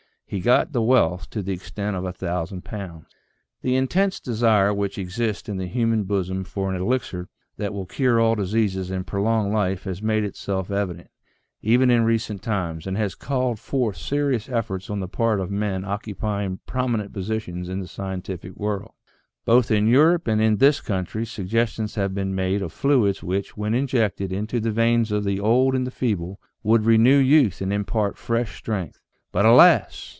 He got the wealth to the extent of a thousand pounds. The intense desire which exists in the human bosom for an elixir that will cure all diseases, and prolong life has made itself evident, even in recent times, and has called 98 THE SEVEN FOLLIES OF SCIENCE forth serious efforts on the part of men occupying promi nent positions in the scientific world. Both in Europe and in this country suggestions have been made of fluids which, when injected into the veins of the old and the feeble, would renew youth and impart fresh strength. But alas